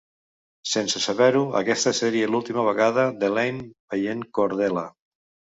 Sense saber-ho, aquesta seria l'última vegada d'Elaine veient Cordelia.